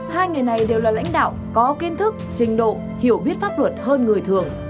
hai người này đều là lãnh đạo có kiến thức trình độ hiểu biết pháp luật hơn người thường